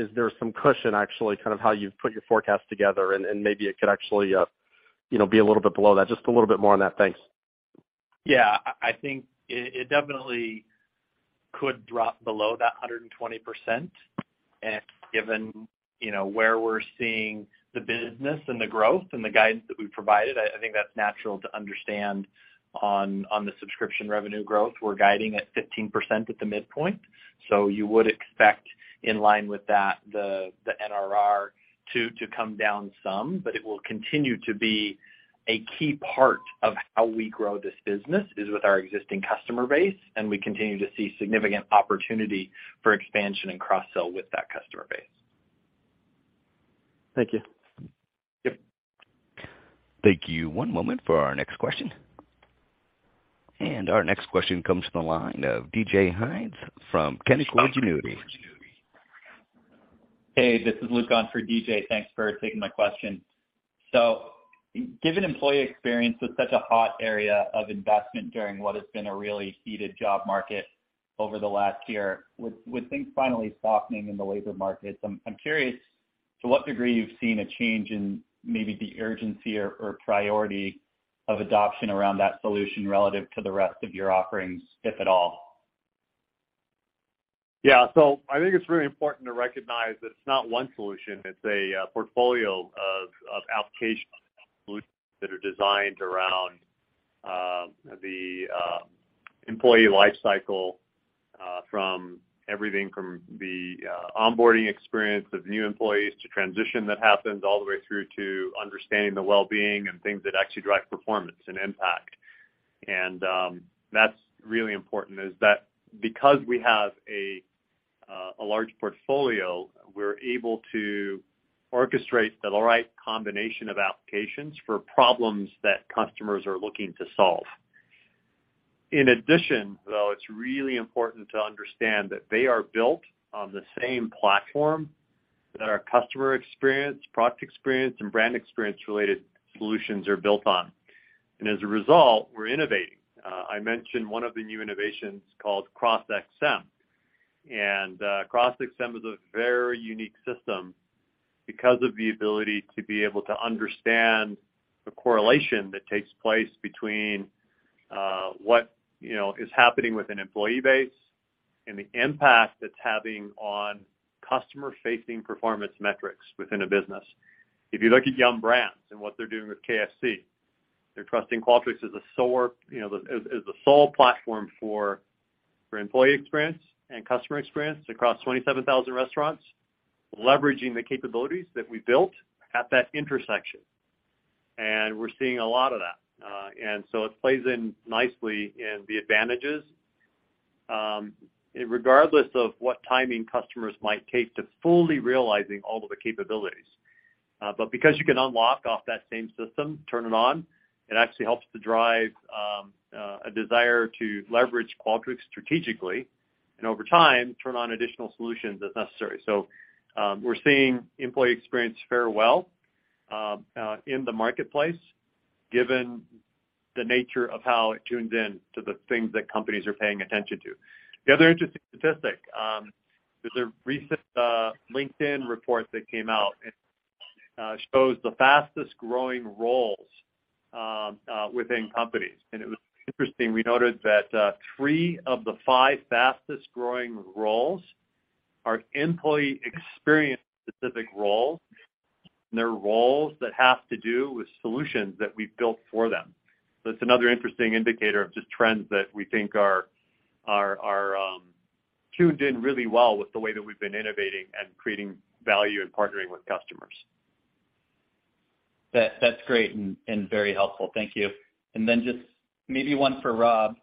Is there some cushion actually kind of how you've put your forecast together and maybe it could actually, you know, be a little bit below that? Just a little bit more on that. Thanks. Yeah. I think it definitely could drop below that 120%. Given, you know, where we're seeing the business and the growth and the guidance that we've provided, I think that's natural to understand on the subscription revenue growth. We're guiding at 15% at the midpoint, you would expect in line with that the NRR to come down some. It will continue to be a key part of how we grow this business is with our existing customer base, and we continue to see significant opportunity for expansion and cross-sell with that customer base. Thank you. Yep. Thank you. One moment for our next question. Our next question comes from the line of D.J. Hynes from Canaccord Genuity. Hey, this is Luke on for DJ. Thanks for taking my question. Given employee experience is such a hot area of investment during what has been a really heated job market over the last year, with things finally softening in the labor market, I'm curious to what degree you've seen a change in maybe the urgency or priority of adoption around that solution relative to the rest of your offerings, if at all? I think it's really important to recognize that it's not one solution. It's a portfolio of applications that are designed around the employee life cycle, from everything from the onboarding experience of new employees to transition that happens all the way through to understanding the well-being and things that actually drive performance and impact. That's really important, is that because we have a large portfolio, we're able to orchestrate the right combination of applications for problems that customers are looking to solve. In addition, though, it's really important to understand that they are built on the same platform that our customer experience, product experience, and brand experience-related solutions are built on. As a result, we're innovating. I mentioned one of the new innovations called CrossXM. CrossXM is a very unique system because of the ability to be able to understand the correlation that takes place between what, you know, is happening with an employee base and the impact it's having on customer-facing performance metrics within a business. If you look at Yum! Brands and what they're doing with KFC, they're trusting Qualtrics as a sole, you know, as a sole platform for employee experience and customer experience across 27,000 restaurants, leveraging the capabilities that we built at that intersection. We're seeing a lot of that. It plays in nicely in the advantages, irregardless of what timing customers might take to fully realizing all of the capabilities. Because you can unlock off that same system, turn it on, it actually helps to drive a desire to leverage Qualtrics strategically, and over time, turn on additional solutions as necessary. We're seeing employee experience fare well in the marketplace given the nature of how it tunes in to the things that companies are paying attention to. The other interesting statistic, there's a recent LinkedIn report that came out and shows the fastest-growing roles within companies. It was interesting. We noted that three of the five fastest-growing roles are employee experience-specific roles, and they're roles that have to do with solutions that we've built for them. It's another interesting indicator of just trends that we think are tuned in really well with the way that we've been innovating and creating value and partnering with customers. That's great and very helpful. Thank you. Then just maybe one for Rob,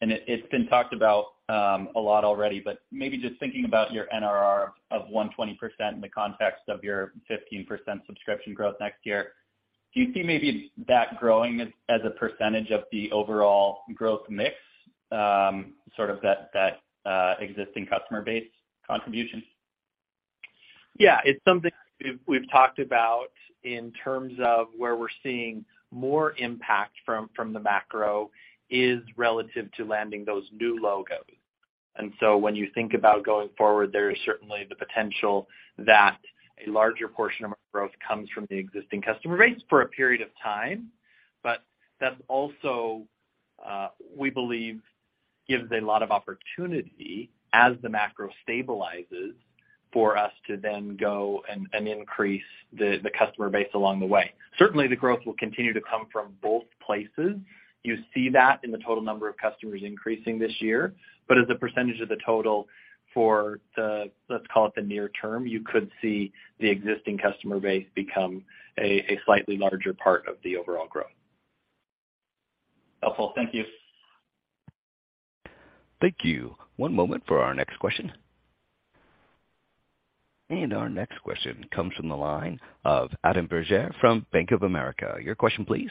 and it's been talked about a lot already, but maybe just thinking about your NRR of 120% in the context of your 15% subscription growth next year. Do you see maybe that growing as a percentage of the overall growth mix, sort of that existing customer base contribution? Yeah. It's something we've talked about in terms of where we're seeing more impact from the macro is relative to landing those new logos. When you think about going forward, there is certainly the potential that a larger portion of our growth comes from the existing customer base for a period of time. That also we believe gives a lot of opportunity as the macro stabilizes for us to then go and increase the customer base along the way. Certainly, the growth will continue to come from both places. You see that in the total number of customers increasing this year. As a percent of the total for the let's call it the near term, you could see the existing customer base become a slightly larger part of the overall growth. Helpful. Thank you. Thank you. One moment for our next question. Our next question comes from the line of Adam Bergere from Bank of America. Your question, please.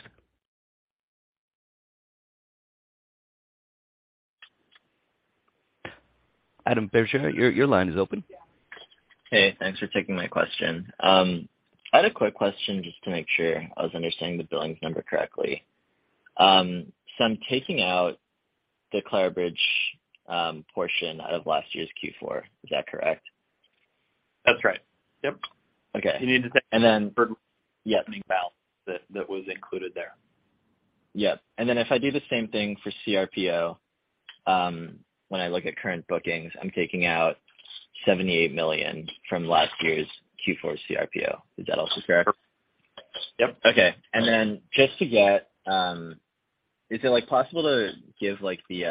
Adam Bergere, your line is open. Hey. Thanks for taking my question. I had a quick question just to make sure I was understanding the billings number correctly. I'm taking out the Clarabridge portion out of last year's Q4. Is that correct? That's right. Yep. Okay. You need to take- And then- For- Yep. Opening balance that was included there. Yep. Then if I do the same thing for CRPO, when I look at current bookings, I'm taking out $78 million from last year's Q4 CRPO. Is that also correct? Yep. Okay. Just to get, is it, like, possible to give, like, the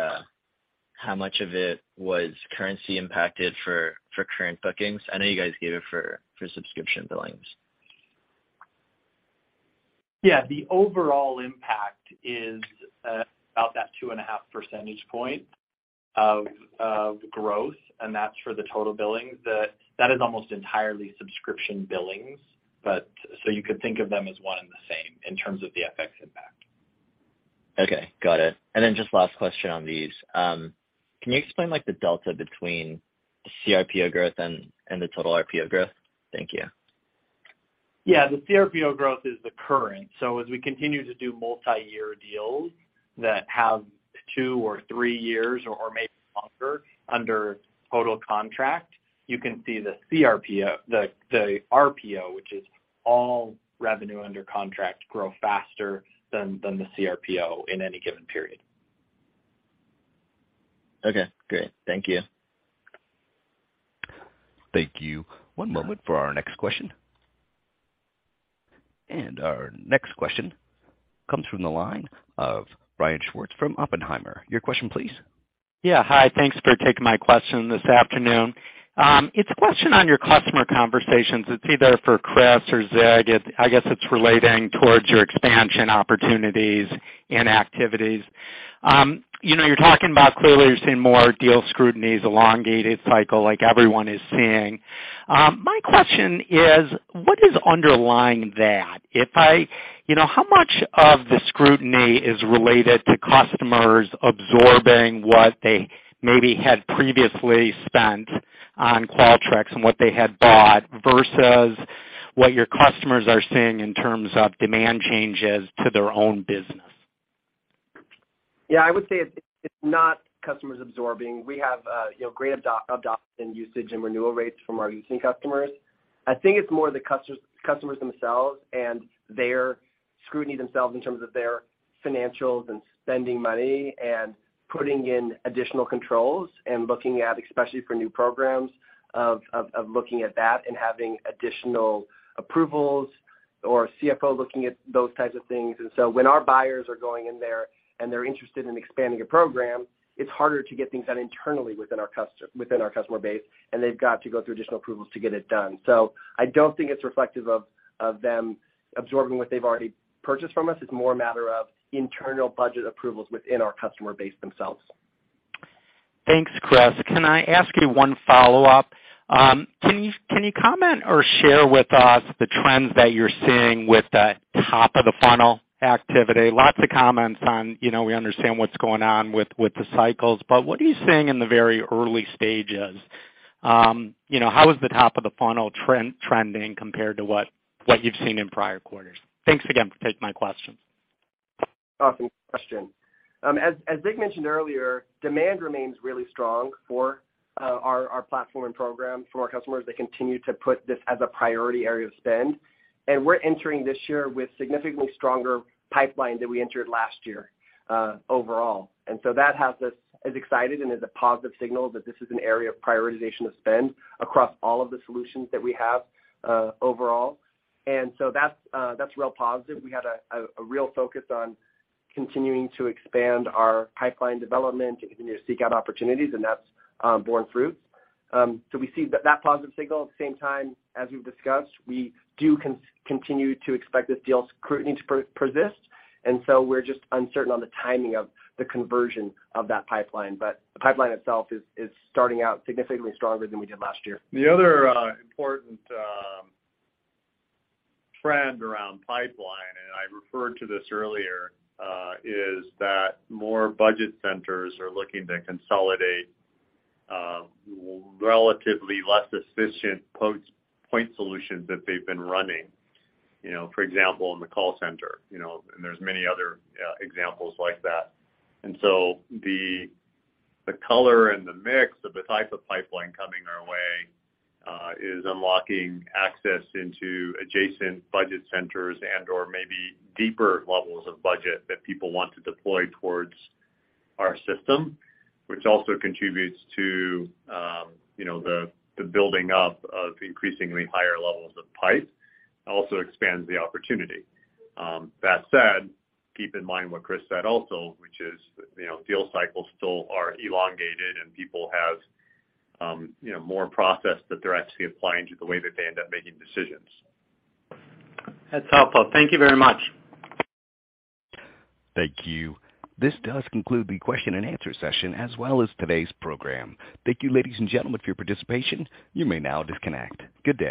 how much of it was currency impacted for current bookings? I know you guys gave it for subscription billings. Yeah. The overall impact is, about that 2.5 percentage point of growth, and that's for the total billings. That is almost entirely subscription billings, but so you could think of them as one and the same in terms of the FX impact. Okay, got it. Then just last question on these. Can you explain like the delta between the CRPO growth and the total RPO growth? Thank you. Yeah. The CRPO growth is the current. As we continue to do multi-year deals that have two or three years or maybe longer under total contract, you can see the RPO, which is all revenue under contract, grow faster than the CRPO in any given period. Okay, great. Thank you. Thank you. One moment for our next question. Our next question comes from the line of Brian Schwartz from Oppenheimer. Your question, please. Yeah. Hi, thanks for taking my question this afternoon. It's a question on your customer conversations. It's either for Chris or Zig. I guess it's relating towards your expansion opportunities and activities. You know, you're talking about clearly you're seeing more deal scrutiny's elongated cycle like everyone is seeing. My question is, what is underlying that? You know, how much of the scrutiny is related to customers absorbing what they maybe had previously spent on Qualtrics and what they had bought, versus what your customers are seeing in terms of demand changes to their own business? Yeah, I would say it's not customers absorbing. We have, you know, great adoption usage and renewal rates from our existing customers. I think it's more the customers themselves and their scrutiny themselves in terms of their financials and spending money and putting in additional controls and looking at, especially for new programs, of looking at that and having additional approvals or CFO looking at those types of things. When our buyers are going in there, and they're interested in expanding a program, it's harder to get things done internally within our customer base, and they've got to go through additional approvals to get it done. I don't think it's reflective of them absorbing what they've already purchased from us. It's more a matter of internal budget approvals within our customer base themselves. Thanks, Chris. Can I ask you one follow-up? Can you comment or share with us the trends that you're seeing with the top of the funnel activity? Lots of comments on, you know, we understand what's going on with the cycles, but what are you seeing in the very early stages? You know, how is the top of the funnel trending compared to what you've seen in prior quarters? Thanks again for taking my questions. Awesome question. As Zig mentioned earlier, demand remains really strong for our platform and program for our customers. They continue to put this as a priority area of spend. We're entering this year with significantly stronger pipeline than we entered last year overall. That has us as excited and is a positive signal that this is an area of prioritization of spend across all of the solutions that we have overall. That's real positive. We had a real focus on continuing to expand our pipeline development and continue to seek out opportunities, and that's borne fruit. We see that positive signal. At the same time, as we've discussed, we do continue to expect the deal scrutiny to persist, we're just uncertain on the timing of the conversion of that pipeline. The pipeline itself is starting out significantly stronger than we did last year. The other important trend around pipeline, and I referred to this earlier, is that more budget centers are looking to consolidate relatively less efficient point solutions that they've been running. You know, for example, in the call center, you know, and there's many other examples like that. The, the color and the mix of the type of pipeline coming our way is unlocking access into adjacent budget centers and/or maybe deeper levels of budget that people want to deploy towards our system, which also contributes to, you know, the building up of increasingly higher levels of pipe, also expands the opportunity. That said, keep in mind what Chris said also, which is, you know, deal cycles still are elongated and people have, you know, more process that they're actually applying to the way that they end up making decisions. That's helpful. Thank you very much. Thank you. This does conclude the question and answer session as well as today's program. Thank you, ladies and gentlemen, for your participation. You may now disconnect. Good day.